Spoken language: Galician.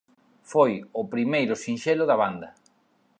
Foi o primeiro sinxelo da banda.